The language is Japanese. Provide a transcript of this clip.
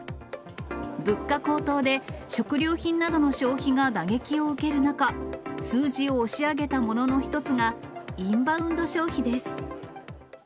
物価高騰で食料品などの消費が打撃を受ける中、数字を押し上げたものの一つがインバウンド消費です。